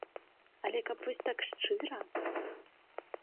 Але каб вось так шчыра!